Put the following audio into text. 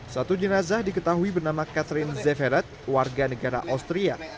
satu jenazah diketahui bernama catherine zeferet warga negara austria